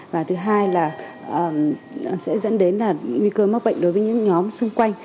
và thứ hai là sẽ dẫn đến là nguy cơ mắc bệnh đối với những nhóm xung quanh